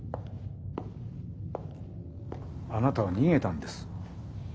あなたは逃げたんです。